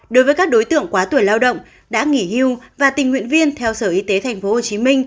đối với các đối tượng quá tuổi lao động đã nghỉ hưu và tình nguyện viên theo sở y tế tp hcm